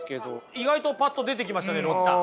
意外とパッと出てきましたねロッチさん。